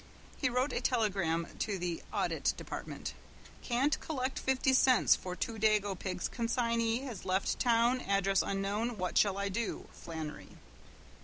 He wrote a telegram to the Audit Department. "Can't collect fifty cents for two dago pigs consignee has left town address unknown what shall I do? Flannery."